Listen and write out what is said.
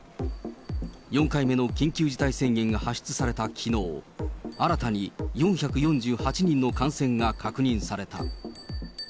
４回目の緊急事態宣言が発出されたきのう、新たに４４８人の感染が確認された。